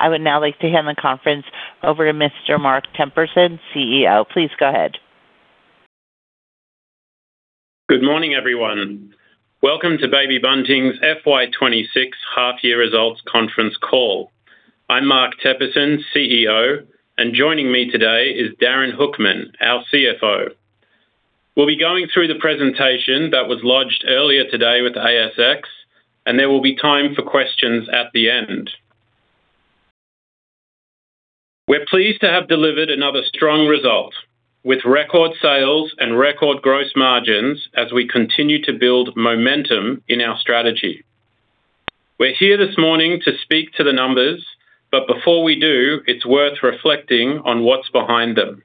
I would now like to hand the conference over to Mr. Mark Teperson, CEO. Please go ahead. Good morning, everyone. Welcome to Baby Bunting's FY 2026 Half Year Results Conference Call. I'm Mark Teperson, CEO, and joining me today is Darin Hoekman, our CFO. We'll be going through the presentation that was lodged earlier today with the ASX, and there will be time for questions at the end. We're pleased to have delivered another strong result, with record sales and record gross margins as we continue to build momentum in our strategy. We're here this morning to speak to the numbers, but before we do, it's worth reflecting on what's behind them.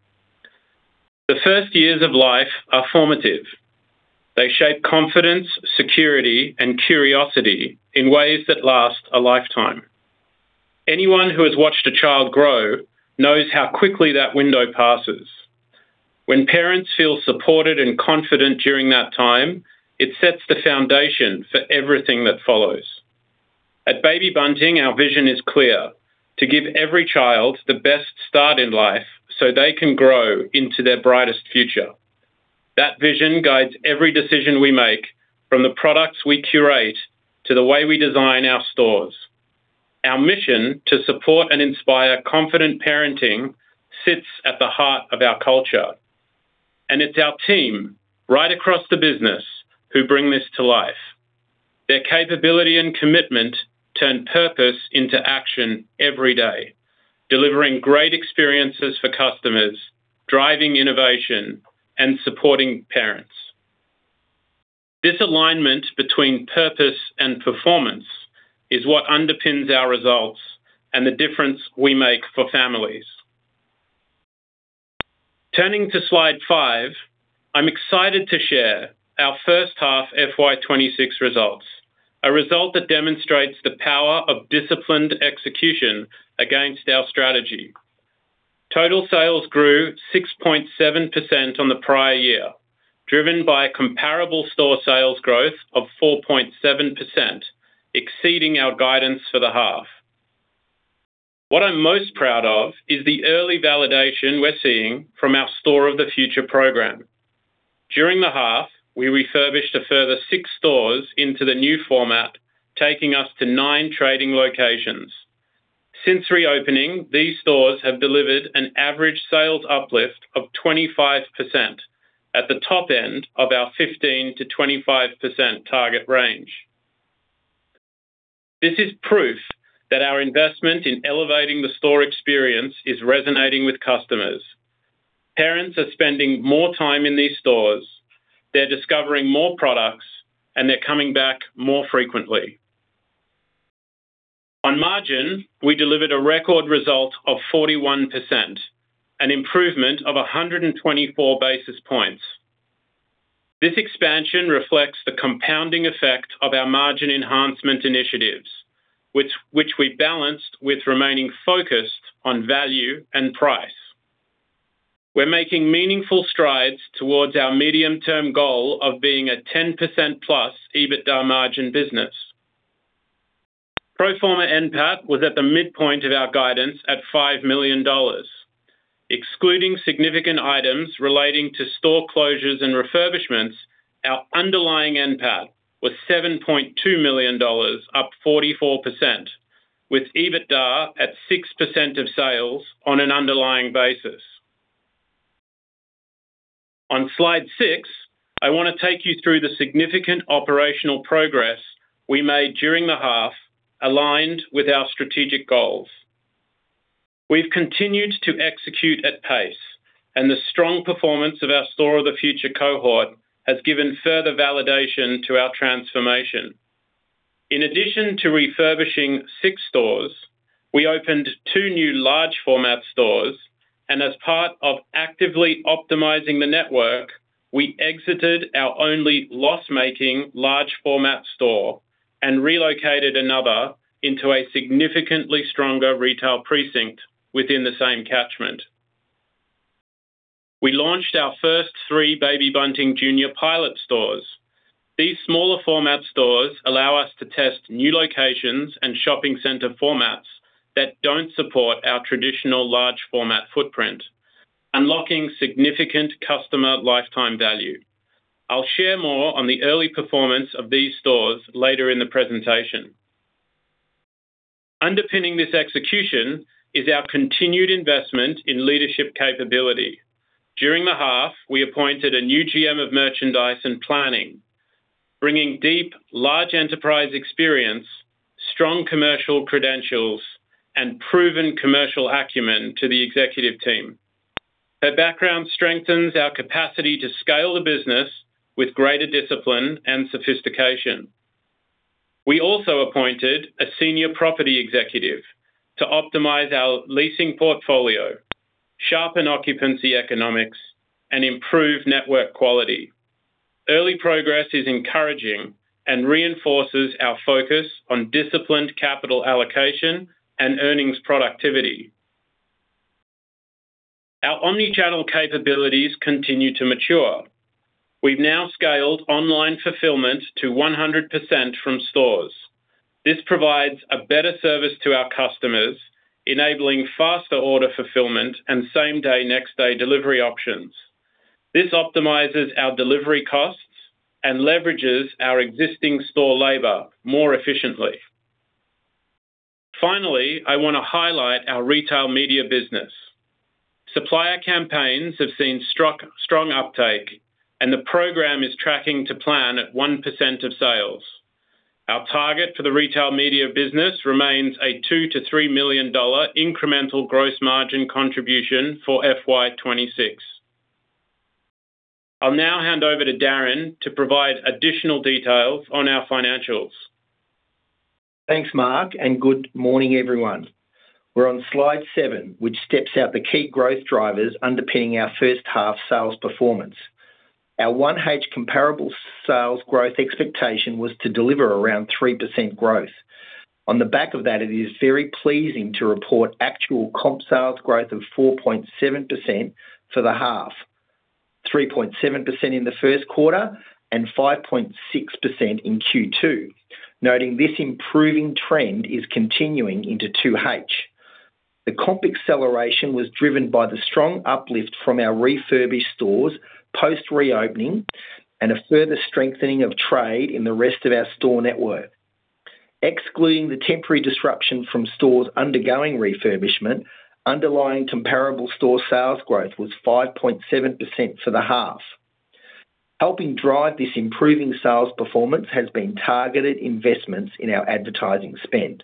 The first years of life are formative. They shape confidence, security, and curiosity in ways that last a lifetime. Anyone who has watched a child grow knows how quickly that window passes. When parents feel supported and confident during that time, it sets the foundation for everything that follows. At Baby Bunting, our vision is clear: to give every child the best start in life so they can grow into their brightest future. That vision guides every decision we make, from the products we curate to the way we design our stores. Our mission to support and inspire confident parenting sits at the heart of our culture, and it's our team, right across the business, who bring this to life. Their capability and commitment turn purpose into action every day, delivering great experiences for customers, driving innovation, and supporting parents. This alignment between purpose and performance is what underpins our results and the difference we make for families. Turning to slide 5, I'm excited to share our first half FY 2026 results, a result that demonstrates the power of disciplined execution against our strategy. Total sales grew 6.7% on the prior year, driven by comparable store sales growth of 4.7%, exceeding our guidance for the half. What I'm most proud of is the early validation we're seeing from our Store of the Future program. During the half, we refurbished a further 6 stores into the new format, taking us to 9 trading locations. Since reopening, these stores have delivered an average sales uplift of 25% at the top end of our 15%-25% target range. This is proof that our investment in elevating the store experience is resonating with customers. Parents are spending more time in these stores, they're discovering more products, and they're coming back more frequently. On margin, we delivered a record result of 41%, an improvement of 124 basis points. This expansion reflects the compounding effect of our margin enhancement initiatives, which we balanced with remaining focused on value and price. We're making meaningful strides towards our medium-term goal of being a 10%+ EBITDA margin business. Pro forma NPAT was at the midpoint of our guidance at 5 million dollars. Excluding significant items relating to store closures and refurbishments, our underlying NPAT was 7.2 million dollars, up 44%, with EBITDA at 6% of sales on an underlying basis. On slide 6, I want to take you through the significant operational progress we made during the half, aligned with our strategic goals. We've continued to execute at pace, and the strong performance of our Store of the Future cohort has given further validation to our transformation. In addition to refurbishing 6 stores, we opened 2 new large format stores, and as part of actively optimizing the network, we exited our only loss-making large format store and relocated another into a significantly stronger retail precinct within the same catchment. We launched our first 3 Baby Bunting junior pilot stores. These smaller format stores allow us to test new locations and shopping center formats that don't support our traditional large format footprint, unlocking significant customer lifetime value. I'll share more on the early performance of these stores later in the presentation. Underpinning this execution is our continued investment in leadership capability. During the half, we appointed a new GM of merchandise and planning, bringing deep large enterprise experience, strong commercial credentials, and proven commercial acumen to the executive team. Her background strengthens our capacity to scale the business with greater discipline and sophistication. We also appointed a senior property executive to optimize our leasing portfolio, sharpen occupancy economics, and improve network quality. Early progress is encouraging and reinforces our focus on disciplined capital allocation and earnings productivity. Our omni-channel capabilities continue to mature. We've now scaled online fulfillment to 100% from stores. This provides a better service to our customers, enabling faster order fulfillment and same-day, next-day delivery options. This optimizes our delivery costs and leverages our existing store labor more efficiently. Finally, I want to highlight our retail media business. Supplier campaigns have seen strong uptake, and the program is tracking to plan at 1% of sales. Our target for the retail media business remains a 2-3 million dollar incremental gross margin contribution for FY 2026. I'll now hand over to Darin to provide additional details on our financials. Thanks, Mark, and good morning, everyone. We're on slide 7, which steps out the key growth drivers underpinning our 1H sales performance. Our 1H comparable sales growth expectation was to deliver around 3% growth. On the back of that, it is very pleasing to report actual comp sales growth of 4.7% for the half, 3.7% in the Q1 and 5.6% in Q2, noting this improving trend is continuing into 2H. The comp acceleration was driven by the strong uplift from our refurbished stores post-reopening and a further strengthening of trade in the rest of our store network. Excluding the temporary disruption from stores undergoing refurbishment, underlying comparable store sales growth was 5.7% for the half. Helping drive this improving sales performance has been targeted investments in our advertising spend.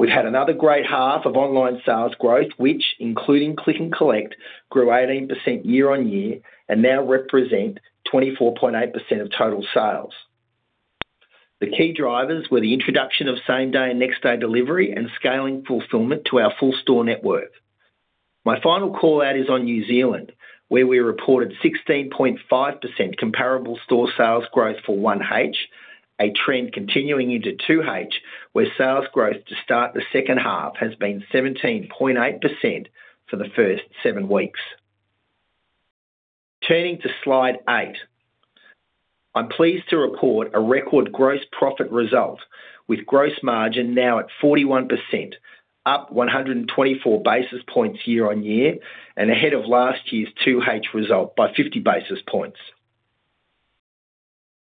We've had another great half of online sales growth, which, including click and collect, grew 18% year-on-year and now represent 24.8% of total sales. The key drivers were the introduction of same-day and next-day delivery and scaling fulfillment to our full store network. My final call out is on New Zealand, where we reported 16.5 comparable store sales growth for 1H, a trend continuing into 2H, where sales growth to start the second half has been 17.8% for the first seven weeks. Turning to slide 8. I'm pleased to report a record gross profit result, with gross margin now at 41%, up 124 basis points year-on-year, and ahead of last year's 2H result by 50 basis points.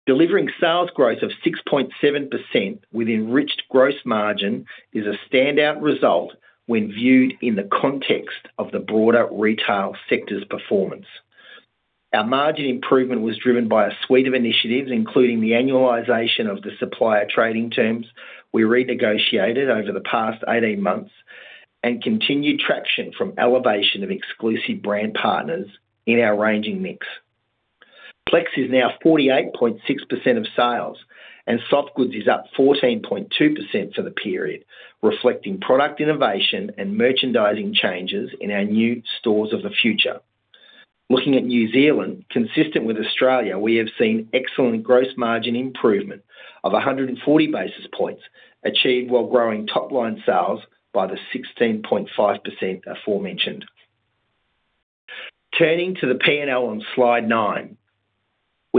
Delivering sales growth of 6.7% with enriched gross margin is a standout result when viewed in the context of the broader retail sector's performance. Our margin improvement was driven by a suite of initiatives, including the annualization of the supplier trading terms we renegotiated over the past 18 months and continued traction from elevation of exclusive brand partners in our ranging mix. Flex is now 48.6% of sales, and soft goods is up 14.2% for the period, reflecting product innovation and merchandising changes in our new Store of the Future. Looking at New Zealand, consistent with Australia, we have seen excellent gross margin improvement of 140 basis points, achieved while growing top-line sales by the 16.5% aforementioned. Turning to the P&L on slide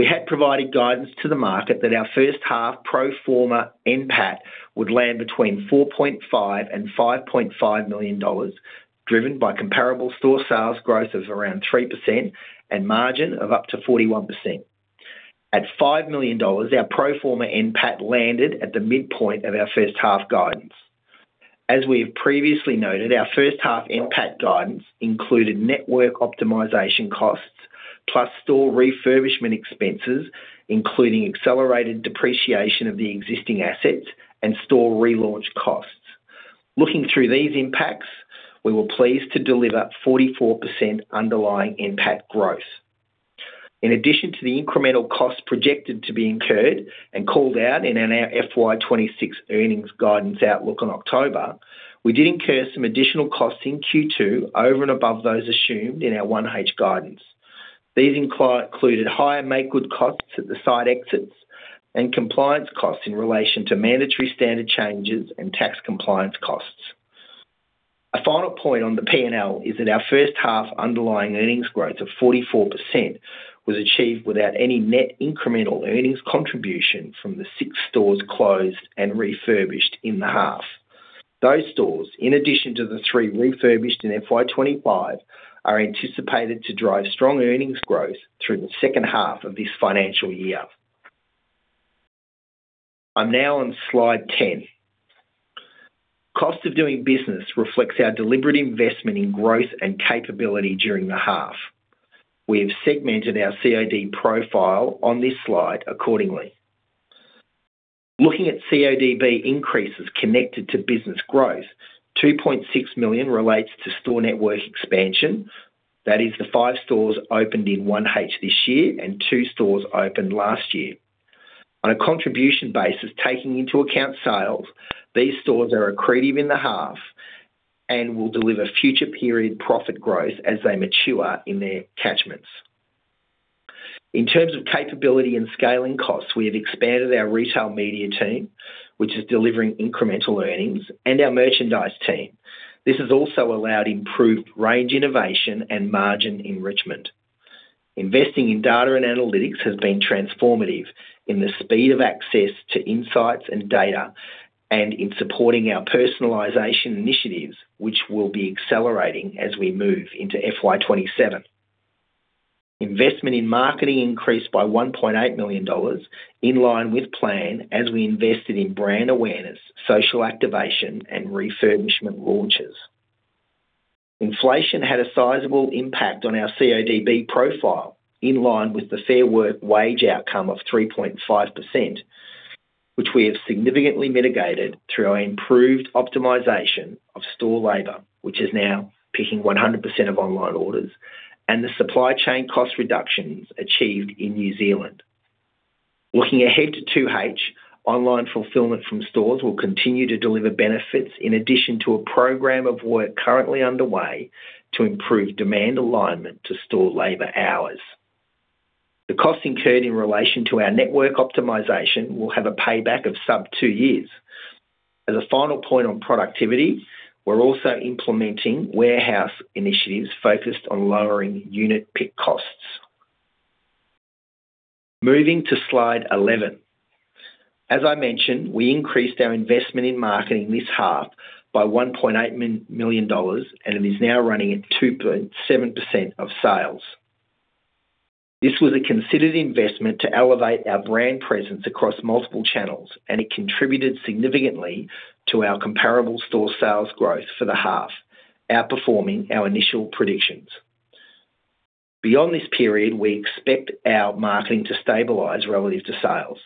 9. We had provided guidance to the market that our first half pro forma NPAT would land between 4.5 million and 5.5 million dollars, driven by comparable store sales growth of around 3% and margin of up to 41%. At 5 million dollars, our pro forma NPAT landed at the midpoint of our first half guidance. As we have previously noted, our first half NPAT guidance included network optimization costs, plus store refurbishment expenses, including accelerated depreciation of the existing assets and store relaunch costs. Looking through these impacts, we were pleased to deliver 44% underlying NPAT growth. In addition to the incremental costs projected to be incurred and called out in our FY 2026 earnings guidance outlook in October, we did incur some additional costs in Q2 over and above those assumed in our 1H guidance. These included higher make-good costs at the site exits and compliance costs in relation to mandatory standard changes and tax compliance costs. A final point on the P&L is that our first half underlying earnings growth of 44% was achieved without any net incremental earnings contribution from the six stores closed and refurbished in the half. Those stores, in addition to the three refurbished in FY 2025, are anticipated to drive strong earnings growth through the second half of this financial year. I'm now on slide 10. Cost of doing business reflects our deliberate investment in growth and capability during the half. We have segmented our CODB profile on this slide accordingly. Looking at CODB increases connected to business growth, 2.6 million relates to store network expansion. That is the five stores opened in 1H this year and two stores opened last year. On a contribution basis, taking into account sales, these stores are accretive in the half and will deliver future period profit growth as they mature in their catchments. In terms of capability and scaling costs, we have expanded our retail media team, which is delivering incremental earnings and our merchandise team. This has also allowed improved range innovation and margin enrichment. Investing in data and analytics has been transformative in the speed of access to insights and data, and in supporting our personalization initiatives, which will be accelerating as we move into FY 2027. Investment in marketing increased by 1.8 million dollars, in line with plan as we invested in brand awareness, social activation, and refurbishment launches. Inflation had a sizable impact on our CODB profile, in line with the Fair Work wage outcome of 3.5%, which we have significantly mitigated through our improved optimization of store labor, which is now picking 100% of online orders, and the supply chain cost reductions achieved in New Zealand. Looking ahead to 2H, online fulfillment from stores will continue to deliver benefits, in addition to a program of work currently underway to improve demand alignment to store labor hours. The costs incurred in relation to our network optimization will have a payback of sub 2 years. As a final point on productivity, we're also implementing warehouse initiatives focused on lowering unit pick costs. Moving to slide 11. As I mentioned, we increased our investment in marketing this half by 1.8 million dollars, and it is now running at 2.7% of sales. This was a considered investment to elevate our brand presence across multiple channels, and it contributed significantly to our comparable store sales growth for the half, outperforming our initial predictions. Beyond this period, we expect our marketing to stabilize relative to sales.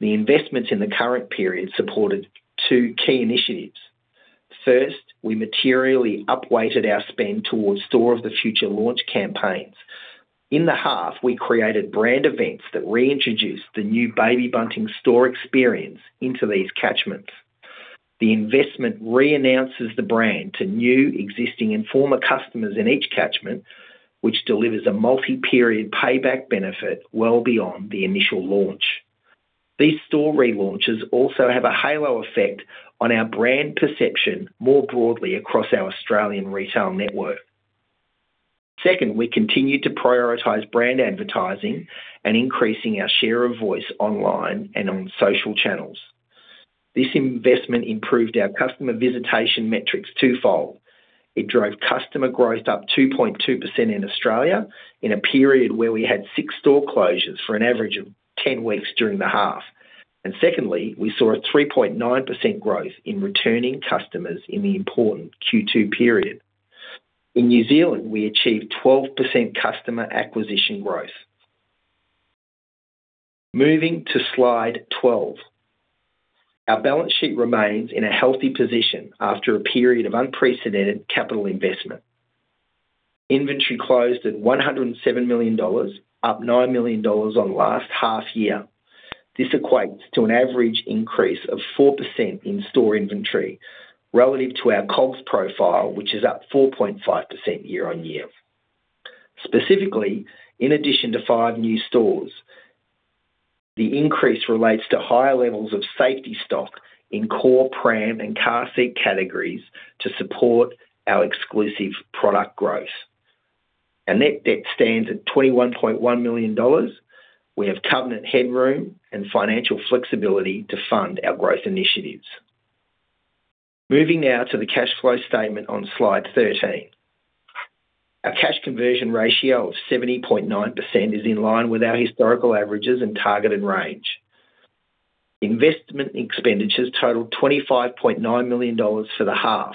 The investments in the current period supported two key initiatives. First, we materially upweighted our spend towards Store of the Future launch campaigns. In the half, we created brand events that reintroduced the new Baby Bunting store experience into these catchments. The investment reannounces the brand to new, existing, and former customers in each catchment, which delivers a multi-period payback benefit well beyond the initial launch. These store relaunches also have a halo effect on our brand perception more broadly across our Australian retail network. Second, we continued to prioritize brand advertising and increasing our share of voice online and on social channels. This investment improved our customer visitation metrics twofold. It drove customer growth up 2.2% in Australia in a period where we had 6 store closures for an average of 10 weeks during the half. Secondly, we saw a 3.9% growth in returning customers in the important Q2 period. In New Zealand, we achieved 12% customer acquisition growth. Moving to slide 12. Our balance sheet remains in a healthy position after a period of unprecedented capital investment. Inventory closed at 107 million dollars, up 9 million dollars on last half year. This equates to an average increase of 4% in store inventory relative to our COGS profile, which is up 4.5% year-on-year. Specifically, in addition to 5 new stores, the increase relates to higher levels of safety stock in core pram and car seat categories to support our exclusive product growth. Our net debt stands at 21.1 million dollars. We have covenant headroom and financial flexibility to fund our growth initiatives. Moving now to the cash flow statement on slide 13. Our cash conversion ratio of 70.9% is in line with our historical averages and targeted range. Investment expenditures totaled 25.9 million dollars for the half.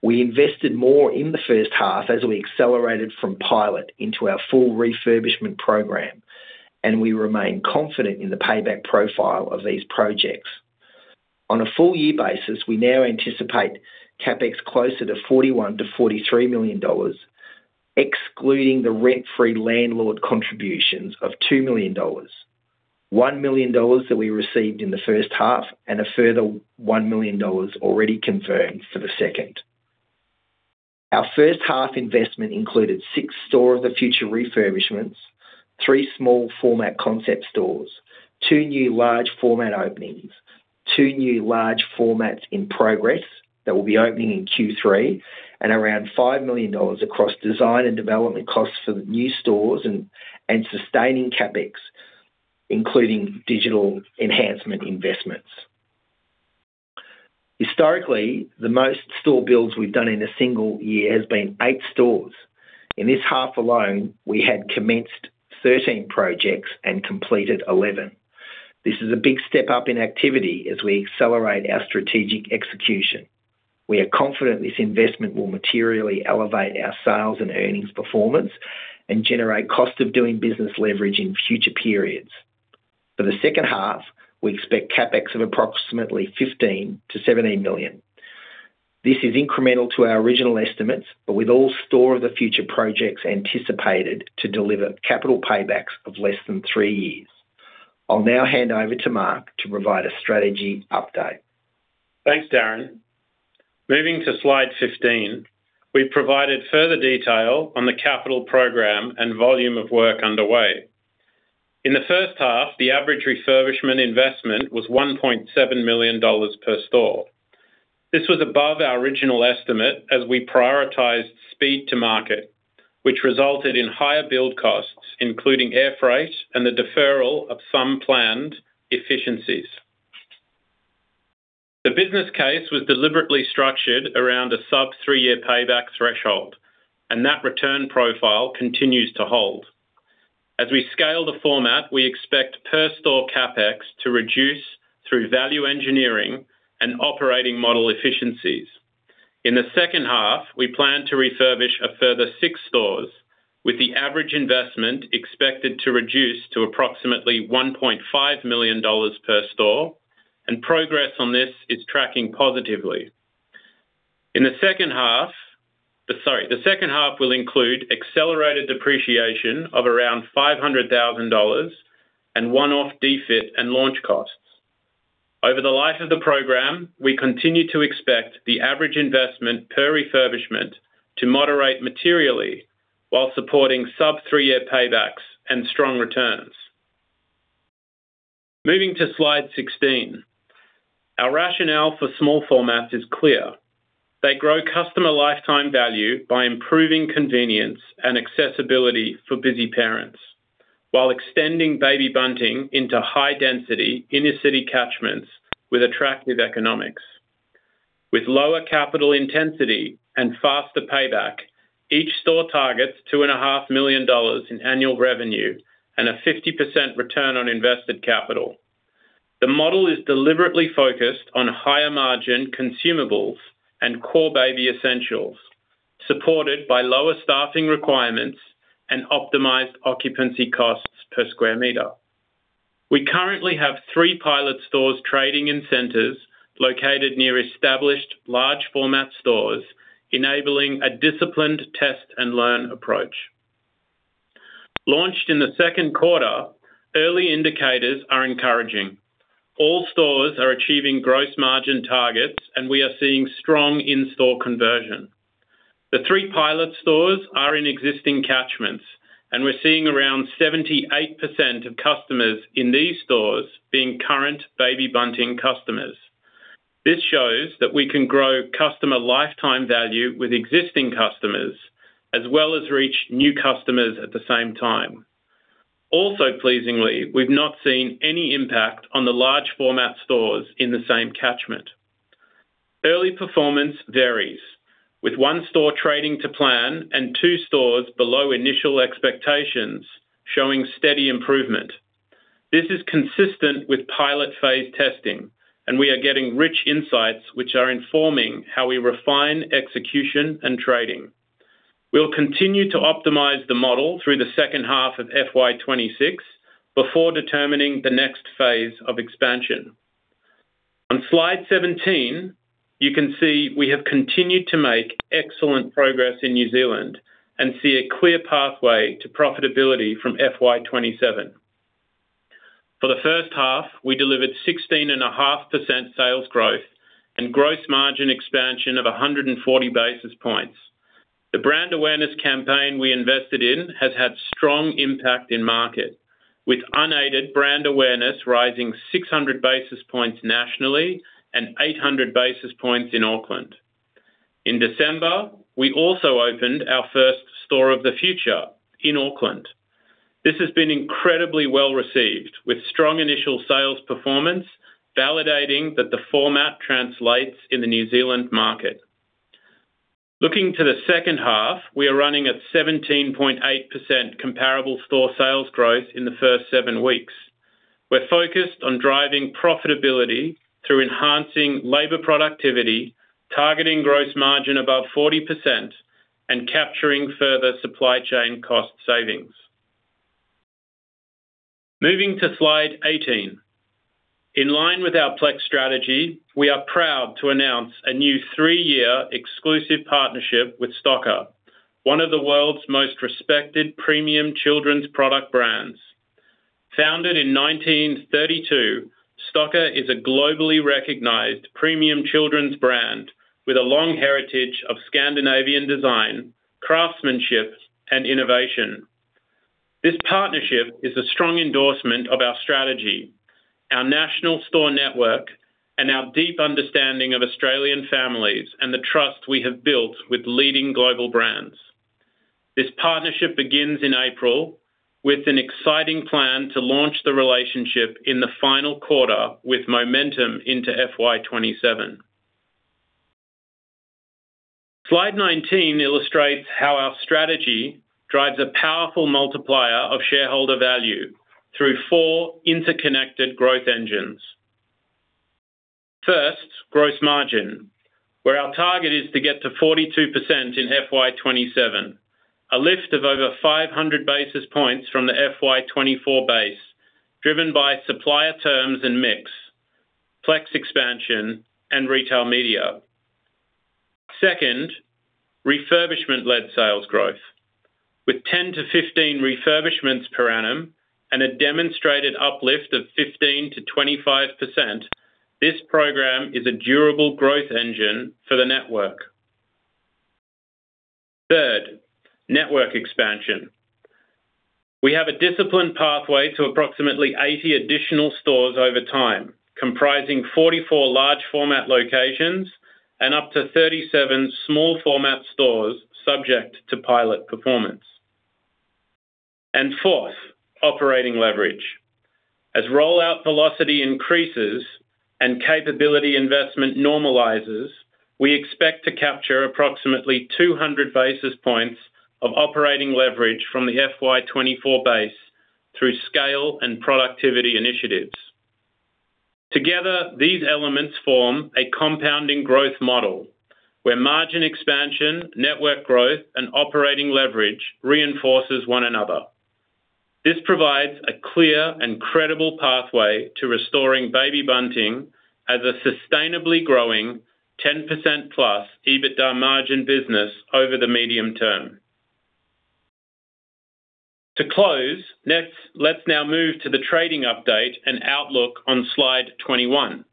We invested more in the first half as we accelerated from pilot into our full refurbishment program, and we remain confident in the payback profile of these projects. On a full year basis, we now anticipate CapEx closer to 41-43 million dollars, excluding the rent-free landlord contributions of 2 million dollars, 1 million dollars that we received in the first half and a further 1 million dollars already confirmed for the second. Our first half investment included six Store of the Future refurbishments, three small format concept stores, two new large format openings, two new large formats in progress that will be opening in Q3, and around 5 million dollars across design and development costs for the new stores and sustaining CapEx, including digital enhancement investments. Historically, the most store builds we've done in a single year has been eight stores. In this half alone, we had commenced 13 projects and completed 11. This is a big step up in activity as we accelerate our strategic execution. We are confident this investment will materially elevate our sales and earnings performance and generate cost of doing business leverage in future periods. For the second half, we expect CapEx of approximately 15-17 million. This is incremental to our original estimates, but with all Store of the Future projects anticipated to deliver capital paybacks of less than three years. I'll now hand over to Mark to provide a strategy update. Thanks, Darin. Moving to slide 15, we've provided further detail on the capital program and volume of work underway. In the first half, the average refurbishment investment was 1.7 million dollars per store. This was above our original estimate as we prioritized speed to market, which resulted in higher build costs, including air freight and the deferral of some planned efficiencies. The business case was deliberately structured around a sub three-year payback threshold, and that return profile continues to hold. As we scale the format, we expect per store CapEx to reduce through value engineering and operating model efficiencies. In the second half, we plan to refurbish a further 6 stores, with the average investment expected to reduce to approximately 1.5 million dollars per store, and progress on this is tracking positively. In the second half, sorry, the second half will include accelerated depreciation of around 500,000 dollars and one-off defit and launch costs. Over the life of the program, we continue to expect the average investment per refurbishment to moderate materially while supporting sub 3-year paybacks and strong returns. Moving to slide 16. Our rationale for small formats is clear. They grow customer lifetime value by improving convenience and accessibility for busy parents, while extending Baby Bunting into high-density inner-city catchments with attractive economics. With lower capital intensity and faster payback, each store targets 2.5 million dollars in annual revenue and a 50% return on invested capital. The model is deliberately focused on higher-margin consumables and core baby essentials, supported by lower staffing requirements and optimized occupancy costs per square meter. We currently have three pilot stores trading in centers located near established large-format stores, enabling a disciplined test-and-learn approach. Launched in the Q2, early indicators are encouraging. All stores are achieving gross margin targets, and we are seeing strong in-store conversion. The three pilot stores are in existing catchments, and we're seeing around 78% of customers in these stores being current Baby Bunting customers. This shows that we can grow customer lifetime value with existing customers, as well as reach new customers at the same time. Also pleasingly, we've not seen any impact on the large-format stores in the same catchment. Early performance varies, with one store trading to plan and two stores below initial expectations, showing steady improvement. This is consistent with pilot phase testing, and we are getting rich insights which are informing how we refine execution and trading. We'll continue to optimize the model through the second half of FY 2026 before determining the next phase of expansion. On slide 17, you can see we have continued to make excellent progress in New Zealand and see a clear pathway to profitability from FY 2027. For the first half, we delivered 16.5% sales growth and gross margin expansion of 140 basis points. The brand awareness campaign we invested in has had strong impact in market, with unaided brand awareness rising 600 basis points nationally and 800 basis points in Auckland. In December, we also opened our first Store of the Future in Auckland. This has been incredibly well-received, with strong initial sales performance, validating that the format translates in the New Zealand market. Looking to the second half, we are running at 17.8% comparable store sales growth in the first seven weeks. We're focused on driving profitability through enhancing labor productivity, targeting gross margin above 40%, and capturing further supply chain cost savings. Moving to slide 18. In line with our Flex strategy, we are proud to announce a new 3-year exclusive partnership with Stokke, one of the world's most respected premium children's product brands. Founded in 1932, Stokke is a globally recognized premium children's brand with a long heritage of Scandinavian design, craftsmanship, and innovation. This partnership is a strong endorsement of our strategy, our national store network, and our deep understanding of Australian families and the trust we have built with leading global brands. This partnership begins in April, with an exciting plan to launch the relationship in the final quarter with momentum into FY 2027. Slide 19 illustrates how our strategy drives a powerful multiplier of shareholder value through four interconnected growth engines. First, gross margin, where our target is to get to 42% in FY 2027, a lift of over 500 basis points from the FY 2024 base, driven by supplier terms and mix, flex expansion, and retail media. Second, refurbishment-led sales growth with 10-15 refurbishments per annum and a demonstrated uplift of 15%-25%, this program is a durable growth engine for the network. Third, network expansion. We have a disciplined pathway to approximately 80 additional stores over time, comprising 44 large format locations and up to 37 small format stores, subject to pilot performance. And fourth, operating leverage. As rollout velocity increases and capability investment normalizes, we expect to capture approximately 200 basis points of operating leverage from the FY 2024 base through scale and productivity initiatives. Together, these elements form a compounding growth model, where margin expansion, network growth, and operating leverage reinforces one another. This provides a clear and credible pathway to restoring Baby Bunting as a sustainably growing 10%+ EBITDA margin business over the medium term. To close, next, let's now move to the trading update and outlook on slide 21.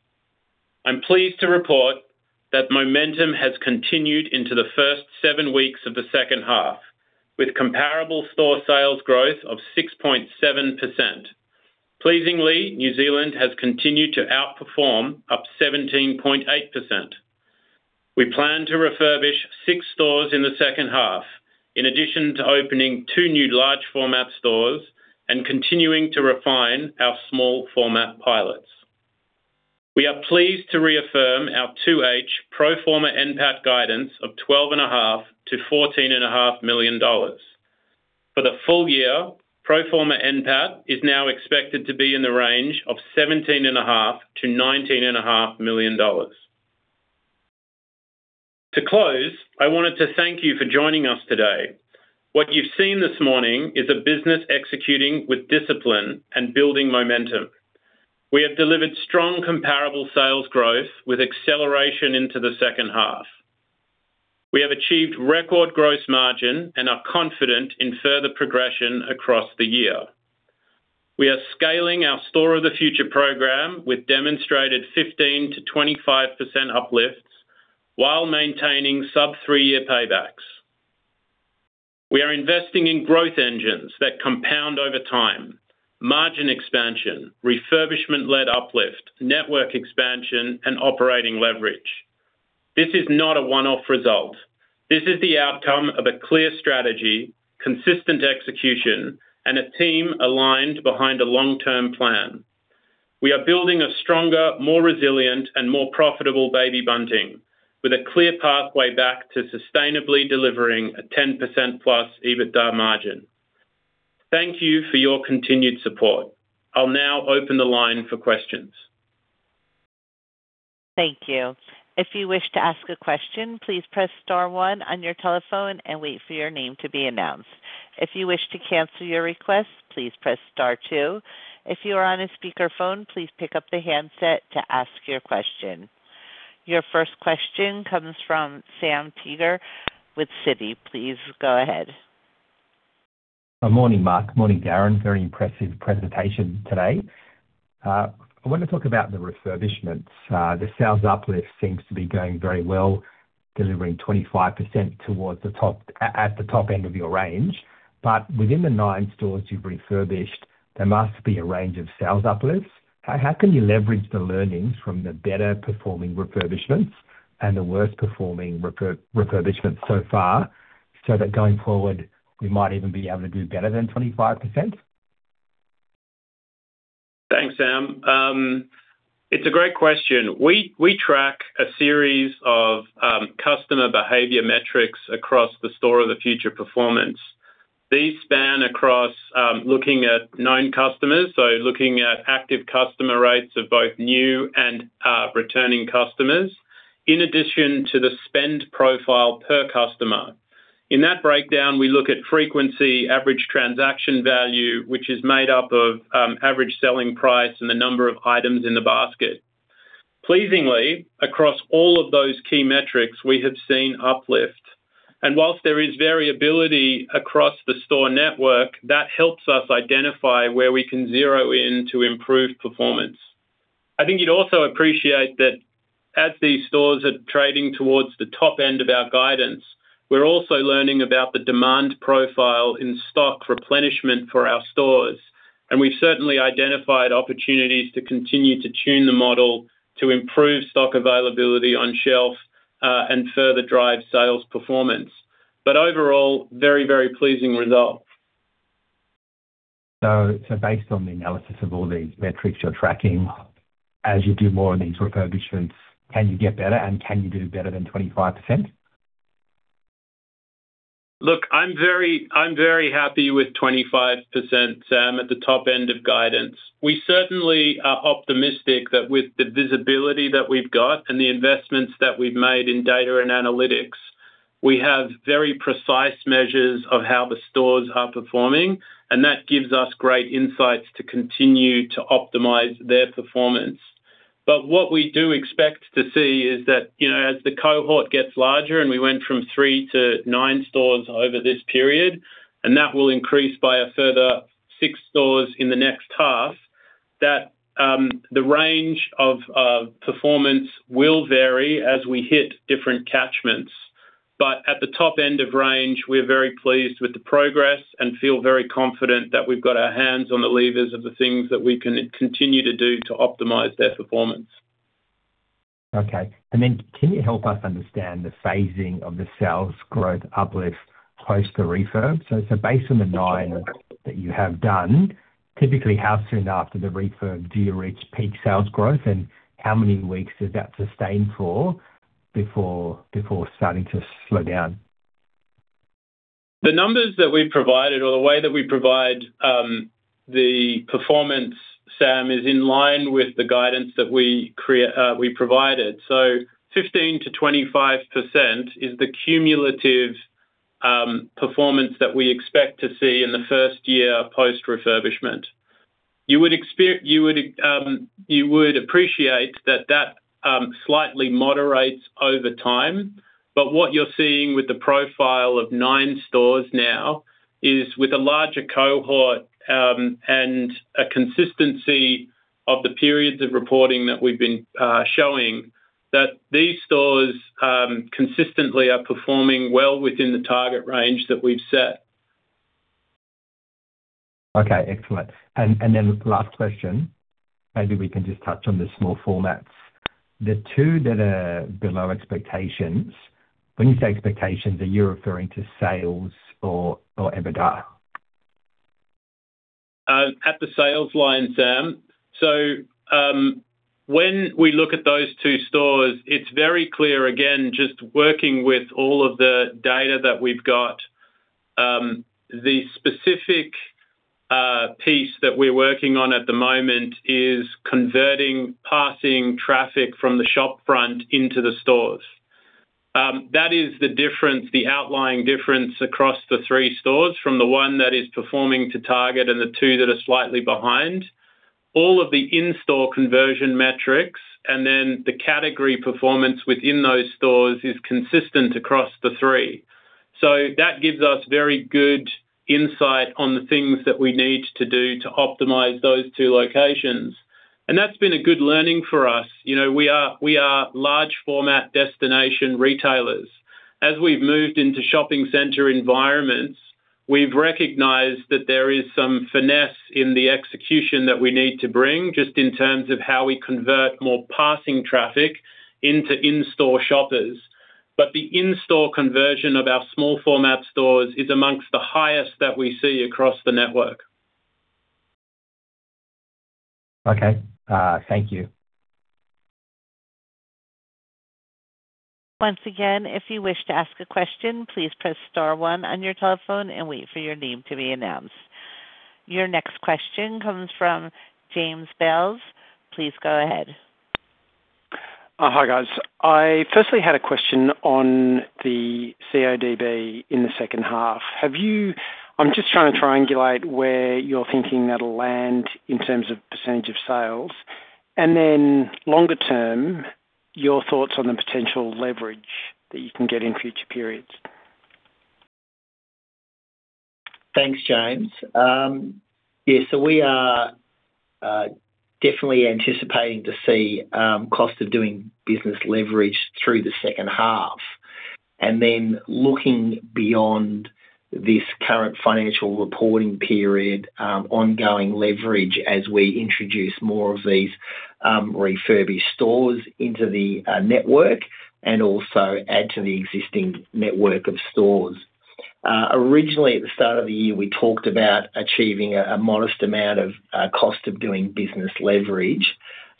I'm pleased to report that momentum has continued into the first seven weeks of the second half, with comparable store sales growth of 6.7%. Pleasingly, New Zealand has continued to outperform, up 17.8%. We plan to refurbish six stores in the second half, in addition to opening two new large format stores and continuing to refine our small format pilots. We are pleased to reaffirm our 2H pro forma NPAT guidance of 12.5-14.5 million dollars. For the full year, pro forma NPAT is now expected to be in the range of 17.5-19.5 million dollars. To close, I wanted to thank you for joining us today. What you've seen this morning is a business executing with discipline and building momentum. We have delivered strong comparable sales growth with acceleration into the second half. We have achieved record gross margin and are confident in further progression across the year. We are scaling our Store of the Future program with demonstrated 15%-25% uplifts while maintaining sub-3-year paybacks. We are investing in growth engines that compound over time, margin expansion, refurbishment-led uplift, network expansion, and operating leverage. This is not a one-off result. This is the outcome of a clear strategy, consistent execution, and a team aligned behind a long-term plan. We are building a stronger, more resilient, and more profitable Baby Bunting, with a clear pathway back to sustainably delivering a 10%+ EBITDA margin. Thank you for your continued support. I'll now open the line for questions. Thank you. If you wish to ask a question, please press star one on your telephone and wait for your name to be announced. If you wish to cancel your request, please press star two. If you are on a speakerphone, please pick up the handset to ask your question. Your first question comes from Sam Teeger with Citi. Please go ahead. Good morning, Mark. Morning, Darin. Very impressive presentation today. I want to talk about the refurbishments. The sales uplift seems to be going very well, delivering 25% towards the top end of your range. But within the nine stores you've refurbished, there must be a range of sales uplifts. How can you leverage the learnings from the better-performing refurbishments and the worst-performing refurbishments so far, so that going forward, we might even be able to do better than 25%? Thanks, Sam. It's a great question. We track a series of customer behavior metrics across the Store of the Future performance. These span across looking at known customers, so looking at active customer rates of both new and returning customers, in addition to the spend profile per customer. In that breakdown, we look at frequency, average transaction value, which is made up of average selling price and the number of items in the basket. Pleasingly, across all of those key metrics, we have seen uplift, and while there is variability across the store network, that helps us identify where we can zero in to improve performance. I think you'd also appreciate that as these stores are trading towards the top end of our guidance, we're also learning about the demand profile in stock replenishment for our stores, and we've certainly identified opportunities to continue to tune the model to improve stock availability on shelf, and further drive sales performance. But overall, very, very pleasing results. Based on the analysis of all these metrics you're tracking, as you do more of these refurbishments, can you get better, and can you do better than 25%? Look, I'm very, I'm very happy with 25%, Sam, at the top end of guidance. We certainly are optimistic that with the visibility that we've got and the investments that we've made in data and analytics, we have very precise measures of how the stores are performing, and that gives us great insights to continue to optimize their performance. But what we do expect to see is that, you know, as the cohort gets larger, and we went from 3 to 9 stores over this period, and that will increase by a further 6 stores in the next half, that the range of performance will vary as we hit different catchments. At the top end of range, we're very pleased with the progress and feel very confident that we've got our hands on the levers of the things that we can continue to do to optimize their performance. Okay. And then can you help us understand the phasing of the sales growth uplift post the refurb? So, so based on the 9 that you have done, typically, how soon after the refurb do you reach peak sales growth, and how many weeks is that sustained for before, before starting to slow down? The numbers that we've provided or the way that we provide the performance, Sam, is in line with the guidance that we provided. So 15%-25% is the cumulative performance that we expect to see in the first year post-refurbishment. You would expect you would appreciate that that slightly moderates over time. But what you're seeing with the profile of 9 stores now is with a larger cohort and a consistency of the periods of reporting that we've been showing that these stores consistently are performing well within the target range that we've set. Okay, excellent. And, and then last question, maybe we can just touch on the small formats. The two that are below expectations, when you say expectations, are you referring to sales or, or EBITDA? At the sales line, Sam. So, when we look at those two stores, it's very clear, again, just working with all of the data that we've got, the specific piece that we're working on at the moment is converting passing traffic from the shop front into the stores. That is the difference, the outlying difference across the three stores from the one that is performing to target and the two that are slightly behind. All of the in-store conversion metrics, and then the category performance within those stores is consistent across the three. So that gives us very good insight on the things that we need to do to optimize those two locations. And that's been a good learning for us. You know, we are, we are large format destination retailers. As we've moved into shopping center environments, we've recognized that there is some finesse in the execution that we need to bring, just in terms of how we convert more passing traffic into in-store shoppers. But the in-store conversion of our small format stores is among the highest that we see across the network. Okay, thank you. Once again, if you wish to ask a question, please press star one on your telephone and wait for your name to be announced. Your next question comes from James Bales. Please go ahead. Hi, guys. I firstly had a question on the CODB in the second half. I'm just trying to triangulate where you're thinking that'll land in terms of percentage of sales, and then longer term, your thoughts on the potential leverage that you can get in future periods. Thanks, James. Yeah, so we are definitely anticipating to see cost of doing business leverage through the second half, and then looking beyond this current financial reporting period, ongoing leverage as we introduce more of these refurb stores into the network and also add to the existing network of stores. Originally, at the start of the year, we talked about achieving a modest amount of cost of doing business leverage.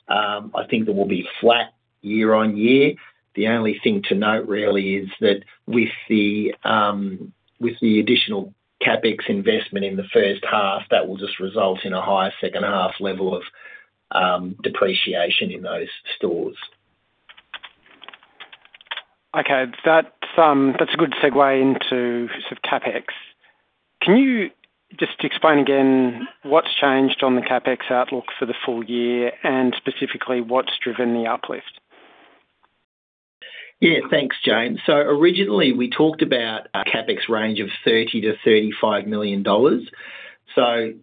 I think that we'll be flat year-over-year. The only thing to note really is that with the additional CapEx investment in the first half, that will just result in a higher second-half level of depreciation in those stores. Okay, that's a good segue into CapEx. Can you just explain again what's changed on the CapEx outlook for the full year, and specifically, what's driven the uplift? Yeah, thanks, James. So originally, we talked about a CapEx range of 30-35 million dollars. So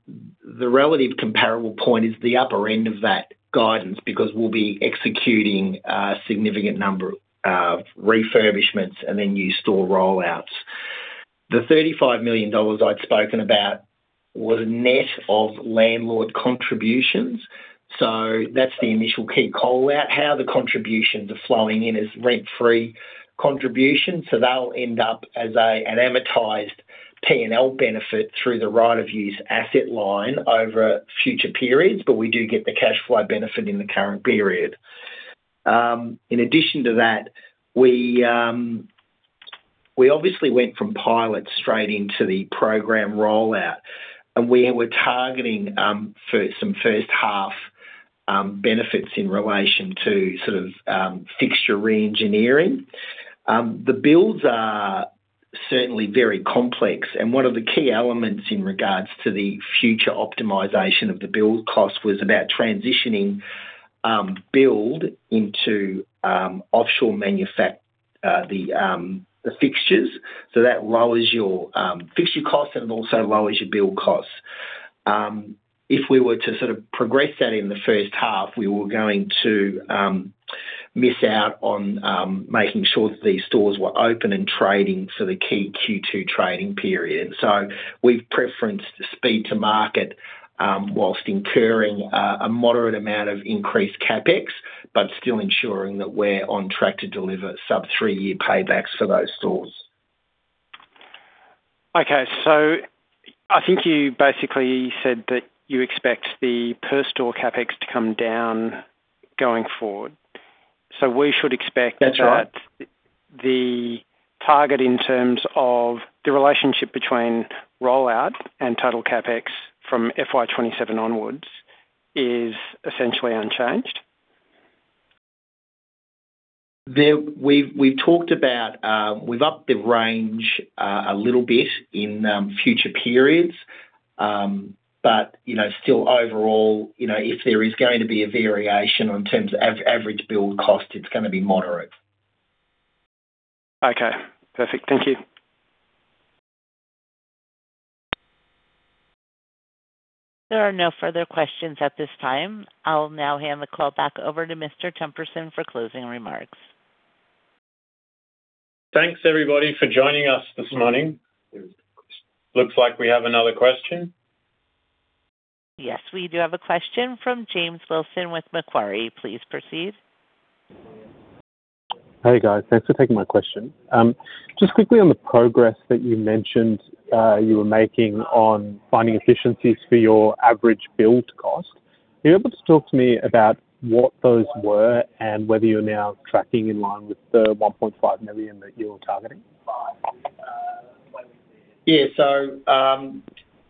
the relative comparable point is the upper end of that guidance, because we'll be executing a significant number of refurbishments and then new store rollouts. The 35 million dollars I'd spoken about was net of landlord contributions, so that's the initial key call-out, how the contributions are flowing in as rent-free contributions. So that'll end up as an amortized P&L benefit through the right of use asset line over future periods, but we do get the cash flow benefit in the current period. In addition to that, we obviously went from pilot straight into the program rollout, and we were targeting for some first half benefits in relation to sort of fixture reengineering. The builds are certainly very complex, and one of the key elements in regards to the future optimization of the build cost was about transitioning build into offshore manufacturing of the fixtures. So that lowers your fixture costs and also lowers your build costs. If we were to sort of progress that in the first half, we were going to miss out on making sure that these stores were open and trading for the key Q2 trading period. So we've preferenced speed to market, whilst incurring a moderate amount of increased CapEx, but still ensuring that we're on track to deliver sub-3-year paybacks for those stores. Okay, so I think you basically said that you expect the per store CapEx to come down going forward. So we should expect that- That's right. The target in terms of the relationship between rollout and total CapEx from FY 2027 onwards is essentially unchanged? We've talked about, we've upped the range a little bit in future periods. But, you know, still overall, you know, if there is going to be a variation in terms of average build cost, it's gonna be moderate. Okay, perfect. Thank you. There are no further questions at this time. I'll now hand the call back over to Mr. Teperson for closing remarks. Thanks, everybody, for joining us this morning. Looks like we have another question. Yes, we do have a question from James Wilson with Macquarie. Please proceed. Hey, guys. Thanks for taking my question. Just quickly on the progress that you mentioned, you were making on finding efficiencies for your average build cost, are you able to talk to me about what those were and whether you're now tracking in line with the 1.5 million that you were targeting? Yeah. So,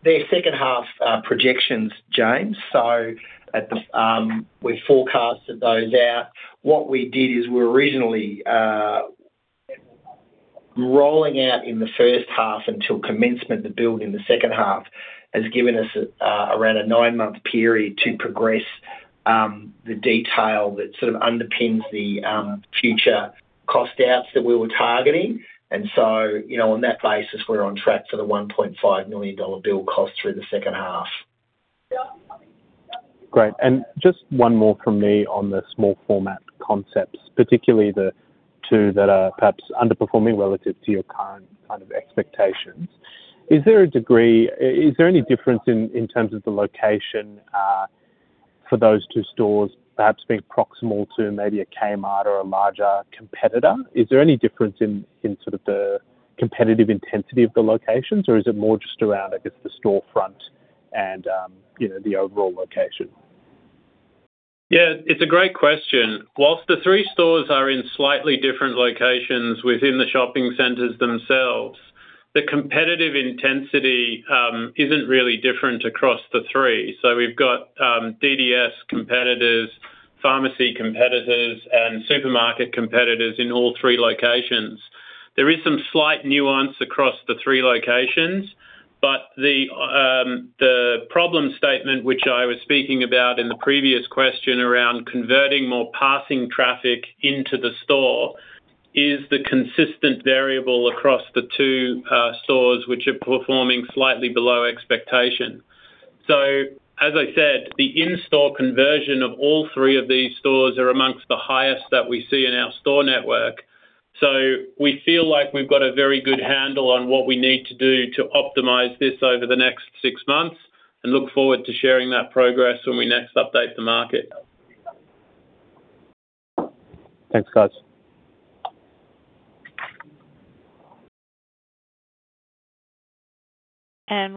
the second half projections, James. So at the, we've forecasted those out. What we did is we're originally rolling out in the first half until commencement, the build in the second half has given us around a 9-month period to progress the detail that sort of underpins the future cost outs that we were targeting. And so, you know, on that basis, we're on track for the 1.5 million dollar build cost through the second half. Great. And just one more from me on the small format concepts, particularly the two that are perhaps underperforming relative to your current kind of expectations. Is there any difference in terms of the location for those two stores, perhaps being proximal to maybe a Kmart or a larger competitor? Is there any difference in sort of the competitive intensity of the locations, or is it more just around, I guess, the storefront and, you know, the overall location? Yeah, it's a great question. While the three stores are in slightly different locations within the shopping centers themselves, the competitive intensity isn't really different across the three. So we've got DDS competitors, pharmacy competitors, and supermarket competitors in all three locations. There is some slight nuance across the three locations, but the problem statement, which I was speaking about in the previous question around converting more passing traffic into the store, is the consistent variable across the two stores, which are performing slightly below expectation. So as I said, the in-store conversion of all three of these stores are among the highest that we see in our store network. We feel like we've got a very good handle on what we need to do to optimize this over the next six months and look forward to sharing that progress when we next update the market. Thanks, guys.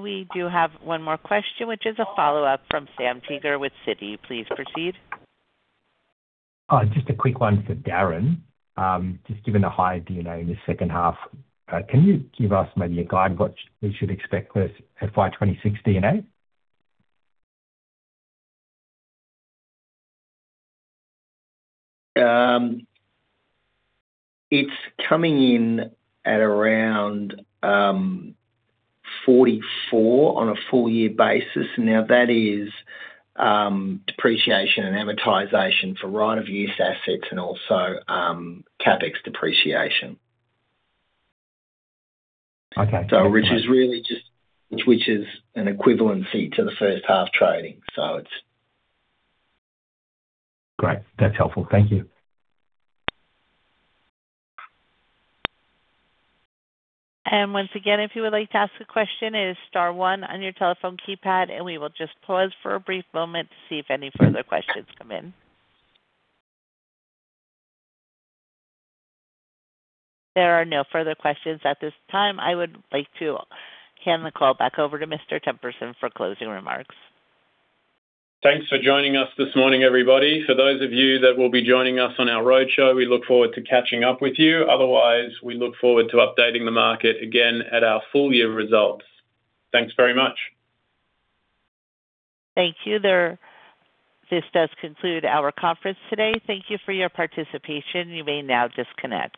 We do have one more question, which is a follow-up from Sam Teeger with Citi. Please proceed. Just a quick one for Darin. Just given the high D&A in the second half, can you give us maybe a guide what we should expect for FY 2026 D&A? It's coming in at around 44 on a full year basis. Now, that is depreciation and amortization for right of use assets and also CapEx depreciation. Okay. Which is an equivalency to the first half trading. So it's... Great. That's helpful. Thank you. Once again, if you would like to ask a question, it is star one on your telephone keypad, and we will just pause for a brief moment to see if any further questions come in. There are no further questions at this time. I would like to hand the call back over to Mr. Teperson for closing remarks. Thanks for joining us this morning, everybody. For those of you that will be joining us on our roadshow, we look forward to catching up with you. Otherwise, we look forward to updating the market again at our full year results. Thanks very much. Thank you. This does conclude our conference today. Thank you for your participation. You may now disconnect.